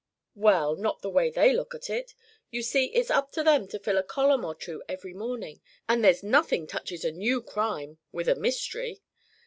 "Well, not the way they look at it. You see, it's up to them to fill a column or two every morning, and there's nothing touches a new crime with a mystery.